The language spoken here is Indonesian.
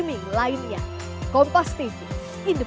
andika hadiat kompastv jakarta